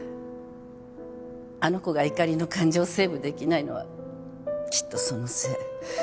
あの子が怒りの感情をセーブできないのはきっとそのせい。